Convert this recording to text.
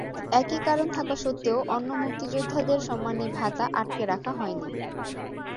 একই কারণ থাকা সত্ত্বেও অন্য মুক্তিযোদ্ধাদের সম্মানী ভাতা আটকে রাখা হয়নি।